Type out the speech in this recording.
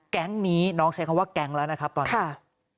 แก๊งนี้น้องใช้คำว่าแก๊งแล้วนะครับตอนนี้